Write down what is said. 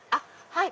はい。